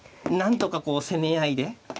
なんとかこう攻め合いで。